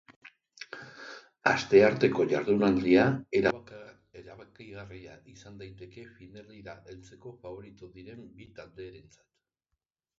Astearteko jardunaldia erabakigarria izan daiteke finalera heltzeko faborito diren bi talderentzat.